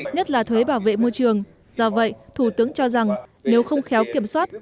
nhất là thuế bảo vệ môi trường do vậy thủ tướng cho rằng nếu không khéo kiểm soát